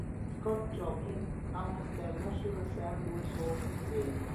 Scott Joplin ha una stella sulla "St. Louis Walk of Fame".